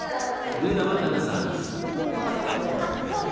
お母様で？